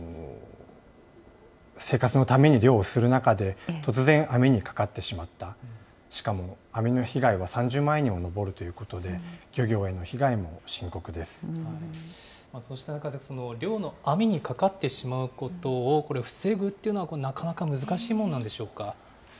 生活のために漁をする中で、突然、網にかかってしまった、しかも網の被害は３０万円にも上るということで、漁業への被害もそうした中で、漁の網にかかってしまうことをこれ、防ぐっていうのは、これ、なかなか難しいものなんでしょうか。